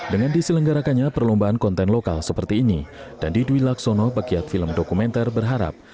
dengan diselenggarakannya perlombaan konten lokal seperti ini dandi dwi laksono pegiat film dokumenter berharap